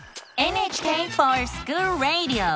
「ＮＨＫｆｏｒＳｃｈｏｏｌＲａｄｉｏ」！